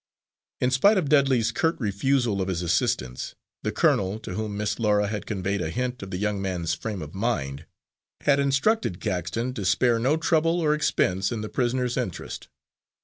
In spite of Dudley's curt refusal of his assistance, the colonel, to whom Miss Laura had conveyed a hint of the young man's frame of mind, had instructed Caxton to spare no trouble or expense in the prisoner's interest.